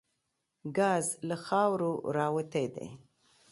ګاز له خاورو راوتي دي.